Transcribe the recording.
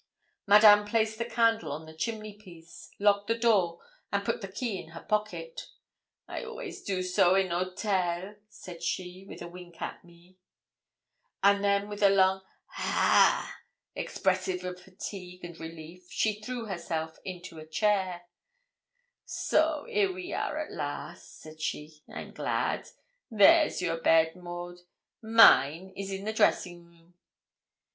Madame placed the candle on the chimneypiece, locked the door, and put the key in her pocket. 'I always do so in 'otel' said she, with a wink at me. And, then with a long 'ha!' expressive of fatigue and relief, she threw herself into a chair. 'So 'ere we are at last!' said she; 'I'm glad. There's your bed, Maud. Mine is in the dressing room.'